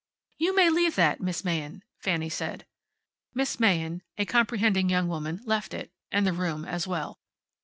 "You may leave that, Miss Mahin," Fanny said. Miss Mahin, a comprehending young woman, left it, and the room as well.